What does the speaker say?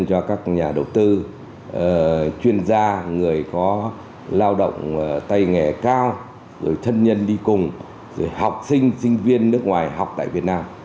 cho các nhà đầu tư chuyên gia người có lao động tay nghề cao rồi thân nhân đi cùng rồi học sinh sinh viên nước ngoài học tại việt nam